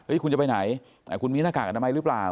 คุณจะไปไหนคุณมีหน้ากากอนามัยหรือเปล่า